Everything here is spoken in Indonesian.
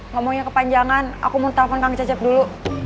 ngomongnya kepanjangan aku muntahkan kang cecep dulu